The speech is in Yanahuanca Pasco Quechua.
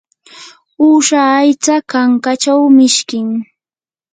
uusha aycha kankachaw mishkim.